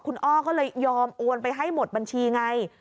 คุณอ้อก็เลยยอมโอนไปให้หมดบัญชีไง